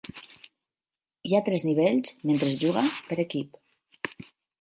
Hi ha tres nivells, mentre es juga, per equip.